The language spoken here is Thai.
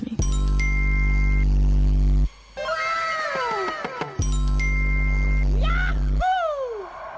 ว้าว